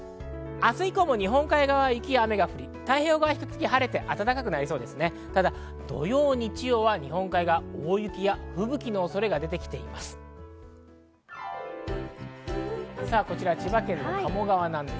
明日以降も日本海側は雪や雨が降り、太平洋側は比較的晴れて暖かくなりそうです。